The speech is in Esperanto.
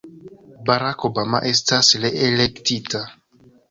Barack Obama estas reelektita.